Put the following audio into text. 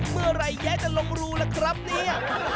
เมื่อไหร่แย้จะลงรูล่ะครับเนี่ย